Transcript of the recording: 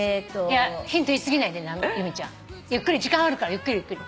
いやヒント言い過ぎないで由美ちゃん。ゆっくり時間あるからゆっくりゆっくり。